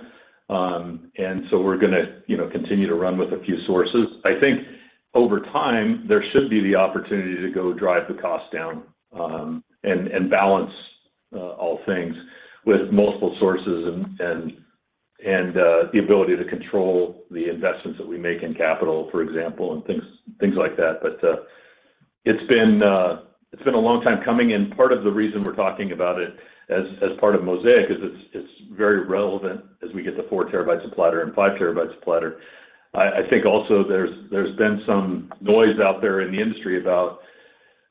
And so we're gonna you know, continue to run with a few sources. I think over time, there should be the opportunity to go drive the cost down, and balance all things with multiple sources and the ability to control the investments that we make in capital, for example, and things like that. But, it's been a long time coming, and part of the reason we're talking about it as part of Mozaic is it's very relevant as we get to 4 TB a platter and 5 TB a platter. I think also there's been some noise out there in the industry about,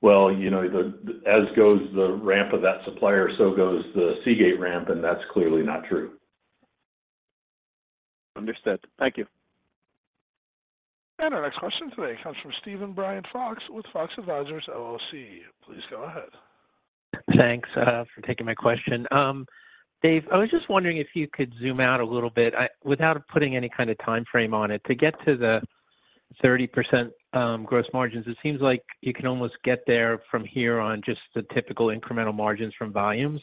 well, you know, the, as goes the ramp of that supplier, so goes the Seagate ramp, and that's clearly not true. Understood. Thank you. Our next question today comes from Steven Fox with Fox Advisors. Please go ahead. Thanks for taking my question. Dave, I was just wondering if you could zoom out a little bit, without putting any kind of time frame on it, to get to the 30% gross margins. It seems like you can almost get there from here on just the typical incremental margins from volumes.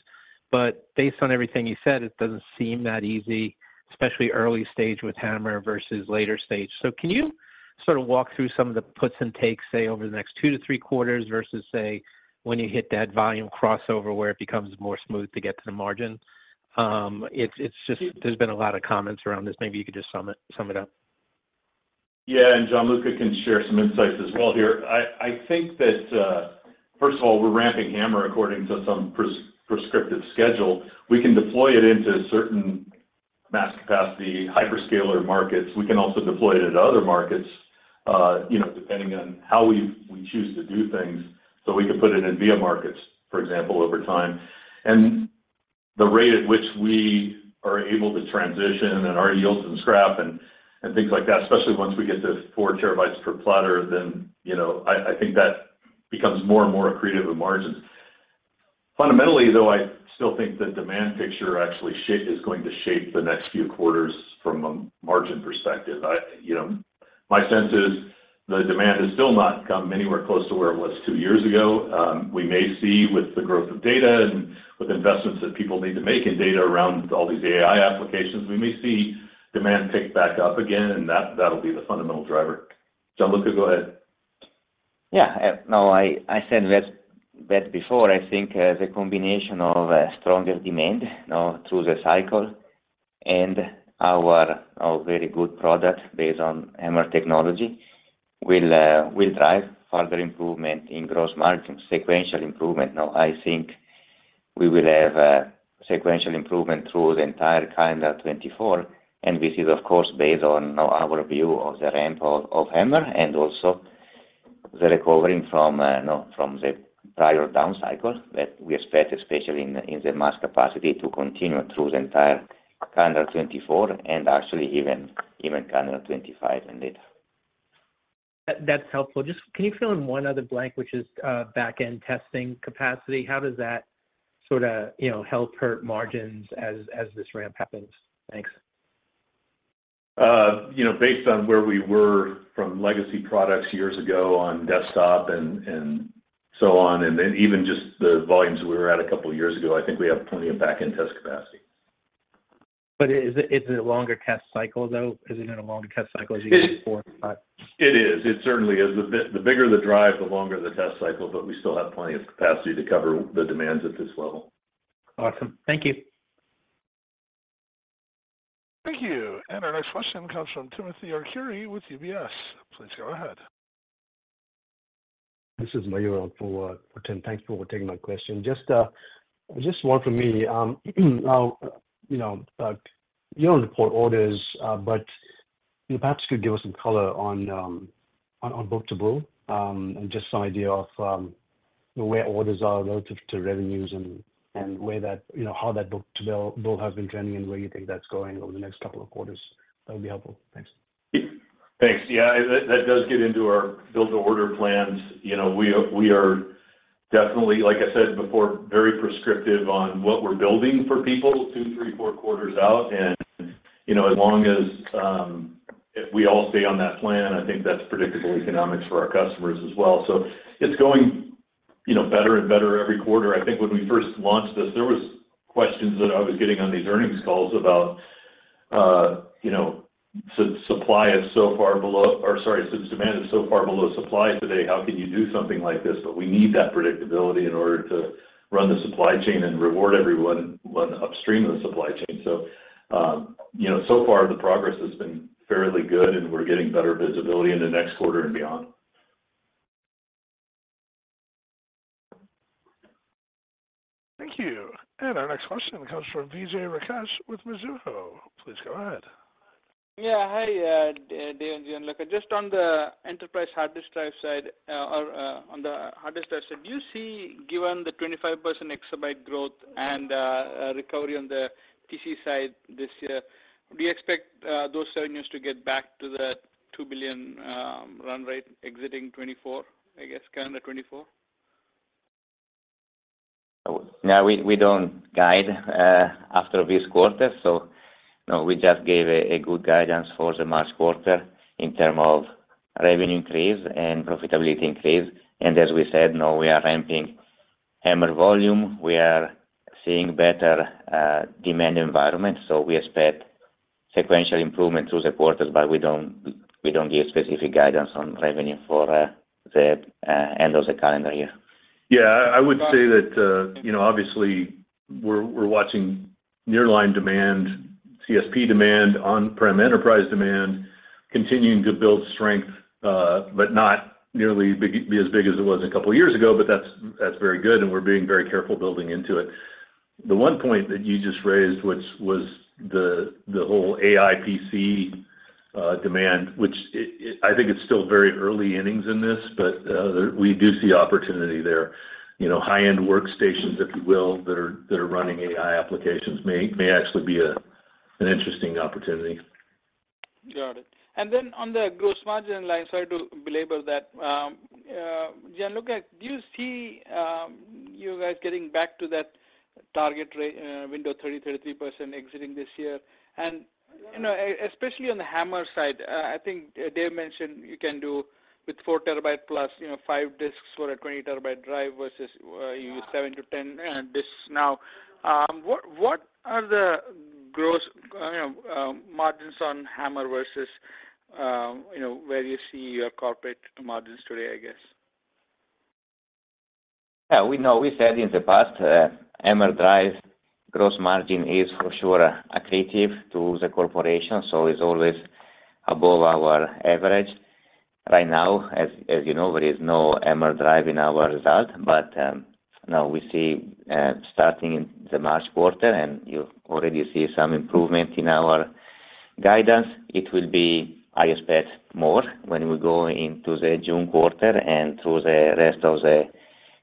But based on everything you said, it doesn't seem that easy, especially early stage with HAMR versus later stage. So can you sort of walk through some of the puts and takes, say, over the next two to three quarters, versus say, when you hit that volume crossover, where it becomes more smooth to get to the margins? It's just- Yeah-... there's been a lot of comments around this. Maybe you could just sum it, sum it up. Yeah, and Gianluca can share some insights as well here. I think that, first of all, we're ramping HAMR according to some prescriptive schedule. We can deploy it into certain mass capacity, hyperscaler markets. We can also deploy it into other markets, you know, depending on how we choose to do things. So we could put it in VIA markets, for example, over time. And the rate at which we are able to transition and our yields and scrap and things like that, especially once we get to 4 TB per platter, then, you know, I think that becomes more and more accretive of margins. Fundamentally, though, I still think the demand picture actually is going to shape the next few quarters from a margin perspective. I, you know, my sense is the demand has still not come anywhere close to where it was two years ago. We may see with the growth of data and with investments that people need to make in data around all these AI applications, we may see demand pick back up again, and that, that'll be the fundamental driver. Gianluca, go ahead. Yeah, no, I said that before. I think the combination of a stronger demand, you know, through the cycle and our very good product based on HAMR technology, will drive further improvement in gross margin, sequential improvement. Now, I think we will have a sequential improvement through the entire calendar 2024, and this is, of course, based on our view of the ramp of HAMR and also the recovering from, you know, from the prior down cycle that we expect, especially in the Mass Capacity, to continue through the entire calendar 2024 and actually even calendar 2025 indeed. That, that's helpful. Just can you fill in one other blank, which is, back-end testing capacity? How does that sorta, you know, help hurt margins as, as this ramp happens? Thanks. You know, based on where we were from legacy products years ago on desktop and so on, and then even just the volumes we were at a couple of years ago, I think we have plenty of back-end test capacity. But is it, is it a longer test cycle, though? Isn't it a longer test cycle as you get to four and five? It is. It certainly is. The bigger the drive, the longer the test cycle, but we still have plenty of capacity to cover the demands at this level. Awesome. Thank you. Thank you. Our next question comes from Timothy Arcuri with UBS. Please go ahead. This is Munjal for Tim. Thank you for taking my question. Just, just one for me. Now, you know, you don't report orders, but you perhaps could give us some color on, on book-to-bill, and just some idea of, where orders are relative to revenues and, and where that—you know, how that book-to-bill has been trending and where you think that's going over the next couple of quarters. That would be helpful. Thanks. Thanks. Yeah, that does get into our build-to-order plans. You know, we are definitely, like I said before, very prescriptive on what we're building for people two, three, four quarters out. And, you know, as long as if we all stay on that plan, I think that's predictable economics for our customers as well. So it's going... you know, better and better every quarter. I think when we first launched this, there was questions that I was getting on these earnings calls about, you know, since demand is so far below supply today, how can you do something like this? But we need that predictability in order to run the supply chain and reward everyone, but upstream of the supply chain. you know, so far the progress has been fairly good, and we're getting better visibility into next quarter and beyond. Thank you. Our next question comes from Vijay Rakesh with Mizuho. Please go ahead. Yeah. Hi, Dave and Gianluca. Just on the enterprise hard disk drive side, or on the hard disk drive side, do you see, given the 25% exabyte growth and recovery on the PC side this year, do you expect those revenues to get back to that $2 billion run rate exiting 2024, I guess, calendar 2024? No, we don't guide after this quarter, so no, we just gave a good guidance for the March quarter in terms of revenue increase and profitability increase. And as we said, now we are ramping HAMR volume. We are seeing better demand environment, so we expect sequential improvement through the quarters, but we don't give specific guidance on revenue for the end of the calendar year. Yeah. I would say that, you know, obviously, we're watching nearline demand, CSP demand, on-prem enterprise demand, continuing to build strength, but not nearly as big as it was a couple of years ago. But that's very good, and we're being very careful building into it. The one point that you just raised, which was the whole AI PC demand, I think it's still very early innings in this, but we do see opportunity there. You know, high-end workstations, if you will, that are running AI applications may actually be an interesting opportunity. Got it. And then on the gross margin line, sorry to belabor that, Gianluca, do you see you guys getting back to that target range window, 30%-33% exiting this year? And, you know, especially on the HAMR side, I think Dave mentioned you can do with 4 TB+, you know, five disks for a 20 TB drive versus you use 7-10 disks now. What are the gross margins on HAMR versus, you know, where you see your corporate margins today, I guess? Yeah, we know. We said in the past, HAMR drive gross margin is for sure accretive to the corporation, so it's always above our average. Right now, as you know, there is no HAMR drive in our result, but now we see starting in the March quarter, and you already see some improvement in our guidance. It will be, I expect more when we go into the June quarter and through the rest of the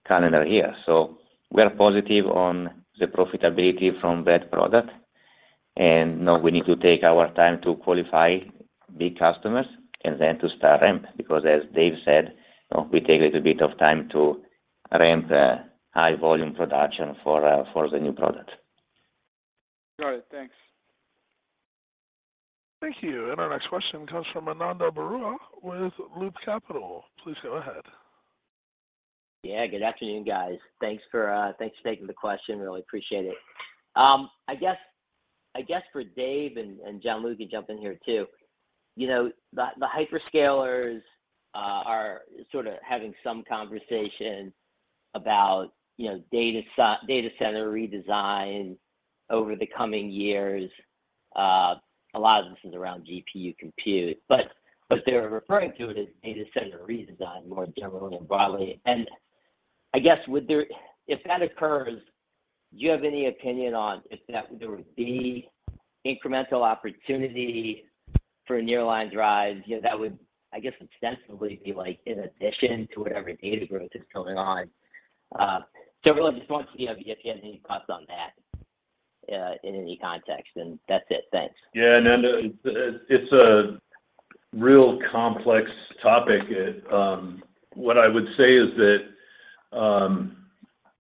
calendar year. So we are positive on the profitability from that product, and now we need to take our time to qualify big customers and then to start ramp, because as Dave said, you know, we take a little bit of time to ramp the high volume production for the new product. Got it. Thanks. Thank you. Our next question comes from Ananda Baruah with Loop Capital. Please go ahead. Yeah, good afternoon, guys. Thanks for taking the question. Really appreciate it. I guess for Dave, and Gianluca, you can jump in here too. You know, the hyperscalers are sort of having some conversation about, you know, data center redesign over the coming years. A lot of this is around GPU compute, but they're referring to it as data center redesign more generally and broadly. I guess, would there—If that occurs, do you have any opinion on if that there would be incremental opportunity for a nearline drive? You know, that would, I guess, ostensibly be like in addition to whatever data growth is going on. So really, I just want to see if you have any thoughts on that, in any context, and that's it. Thanks. Yeah, Ananda, it's a real complex topic. What I would say is that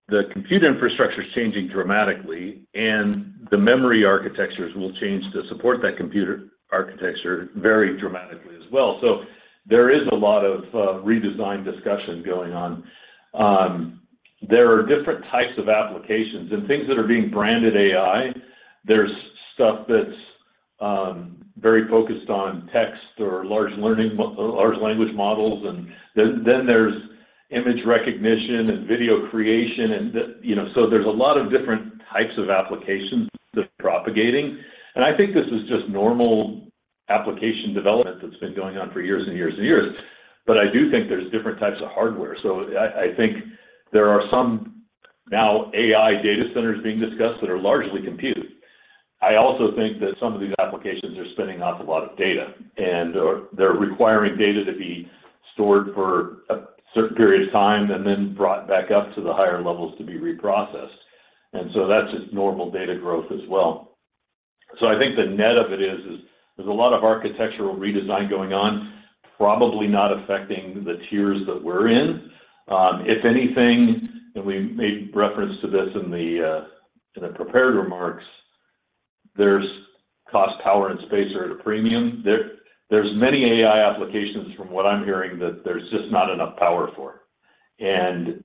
the computer infrastructure is changing dramatically, and the memory architectures will change to support that computer architecture very dramatically as well. So there is a lot of redesign discussion going on. There are different types of applications and things that are being branded AI. There's stuff that's very focused on text or large language models, and then there's image recognition and video creation and the, you know, so there's a lot of different types of applications that are propagating, and I think this is just normal application development that's been going on for years and years and years. But I do think there's different types of hardware. So I think there are some new AI data centers being discussed that are largely compute. I also think that some of these applications are spinning off a lot of data, and, or they're requiring data to be stored for a certain period of time and then brought back up to the higher levels to be reprocessed. And so that's just normal data growth as well. So I think the net of it is there's a lot of architectural redesign going on, probably not affecting the tiers that we're in. If anything, and we made reference to this in the prepared remarks, there's cost, power, and space are at a premium. There's many AI applications, from what I'm hearing, that there's just not enough power for. Its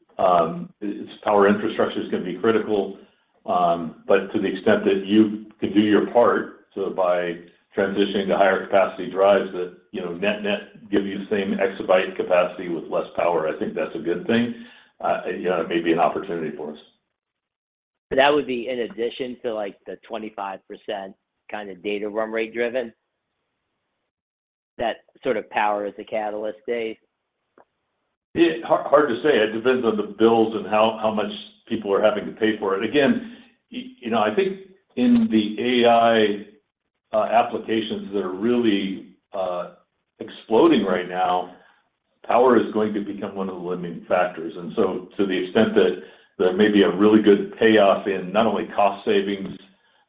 power infrastructure is gonna be critical, but to the extent that you can do your part, so by transitioning to higher capacity drives that, you know, net-net give you the same exabyte capacity with less power, I think that's a good thing. Yeah, it may be an opportunity for us. But that would be in addition to, like, the 25% kind of data run rate driven? That sort of power as a catalyst, Dave? Yeah, hard to say. It depends on the bills and how much people are having to pay for it. Again, you know, I think in the AI applications that are really exploding right now, power is going to become one of the limiting factors. And so to the extent that there may be a really good payoff in not only cost savings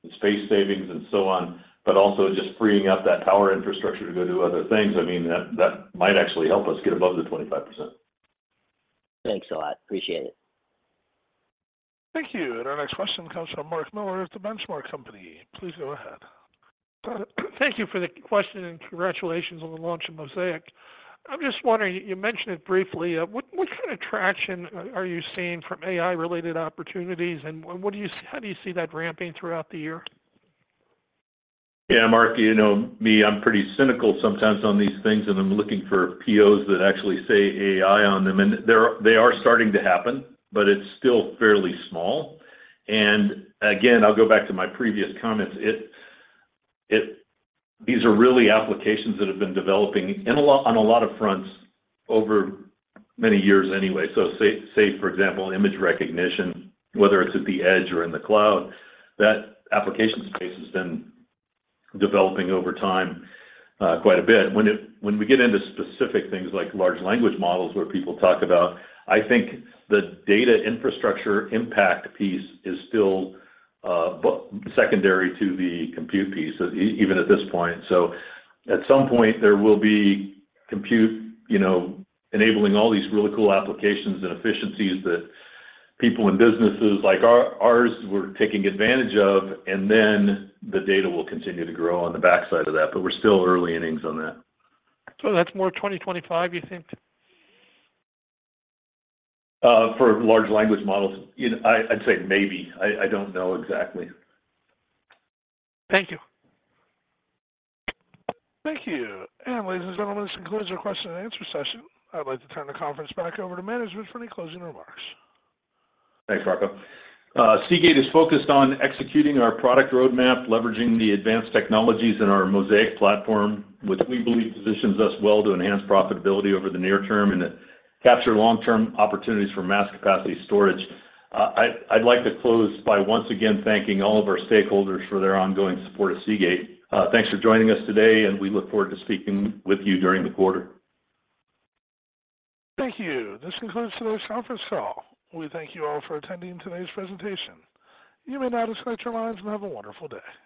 and space savings and so on, but also just freeing up that power infrastructure to go do other things, I mean, that might actually help us get above the 25%. Thanks a lot. Appreciate it. Thank you, and our next question comes from Mark Miller of The Benchmark Company. Please go ahead. Thank you for the question, and congratulations on the launch of Mozaic. I'm just wondering, you mentioned it briefly, what kind of traction are you seeing from AI-related opportunities, and what do you see, how do you see that ramping throughout the year? Yeah, Mark, you know me, I'm pretty cynical sometimes on these things, and I'm looking for POs that actually say AI on them. And they are starting to happen, but it's still fairly small. And again, I'll go back to my previous comments. It—these are really applications that have been developing in a lot, on a lot of fronts over many years anyway. So say, for example, image recognition, whether it's at the edge or in the cloud, that application space has been developing over time, quite a bit. When we get into specific things like large language models, where people talk about, I think the data infrastructure impact piece is still, but secondary to the compute piece, even at this point. At some point, there will be compute, you know, enabling all these really cool applications and efficiencies that people in businesses like our- ours, we're taking advantage of, and then the data will continue to grow on the backside of that. But we're still early innings on that. That's more 2025, you think? For large language models, you know, I'd say maybe. I don't know exactly. Thank you. Thank you. Ladies and gentlemen, this concludes our question-and-answer session. I'd like to turn the conference back over to management for any closing remarks. Thanks, Marco. Seagate is focused on executing our product roadmap, leveraging the advanced technologies in our Mozaic platform, which we believe positions us well to enhance profitability over the near term and to capture long-term opportunities for mass capacity storage. I'd like to close by once again thanking all of our stakeholders for their ongoing support of Seagate. Thanks for joining us today, and we look forward to speaking with you during the quarter. Thank you. This concludes today's conference call. We thank you all for attending today's presentation. You may now disconnect your lines and have a wonderful day.